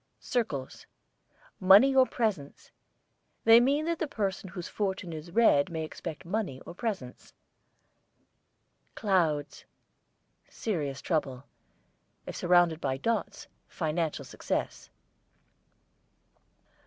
CIRCLES, money or presents. They mean that the person whose fortune is read may expect money or presents. CLOUDS, serious trouble; if surrounded by dots, financial success.